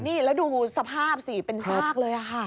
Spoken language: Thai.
นี่แล้วดูสภาพสิเป็นซากเลยค่ะ